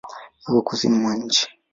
Iko Kusini mwa nchi.